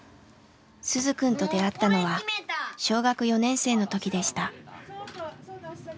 鈴くんと出会ったのは小学４年生の時でした。